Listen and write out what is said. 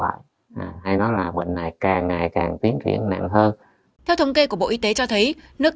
bệnh hay nói là bệnh này càng ngày càng tiến triển nặng hơn theo thống kê của bộ y tế cho thấy nước